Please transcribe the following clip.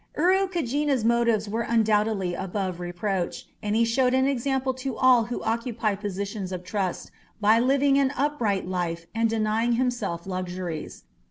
Urukagina's motives were undoubtedly above reproach, and he showed an example to all who occupied positions of trust by living an upright life and denying himself luxuries.